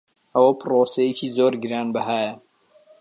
ئەوە پرۆسەیەکی زۆر گرانبەهایە.